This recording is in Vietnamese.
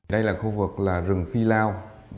đây là khu vực là rừng phi lao